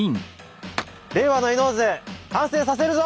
令和の「伊能図」完成させるぞ！